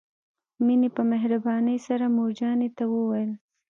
مينې په مهربانۍ سره مور جانې ته وويل.